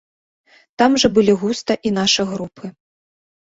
Там жа былі густа і нашы групы.